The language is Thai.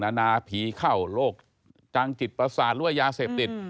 นานาผีเข้าโรคจังจิตประสาทหรือว่ายาเสพติด